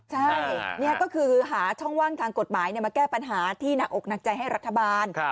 ใช่นี่ก็คือหาช่องว่างทางกฎหมายมาแก้ปัญหาที่หนักอกหนักใจให้รัฐบาล